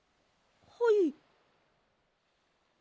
はい。